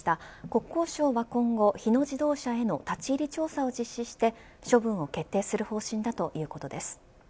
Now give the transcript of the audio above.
国交省は今後、日野自動車への立ち入り調査を実施して処分を決定する方針だということです。